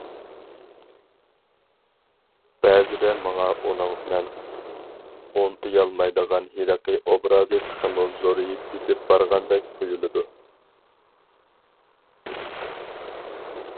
بەزىدە ماڭا ئۇنىڭ مەن ئۇنتۇيالمايدىغان ھېلىقى ئوبرازى تېخىمۇ زورىيىپ كېتىپ بارغاندەك تۇيۇلىدۇ.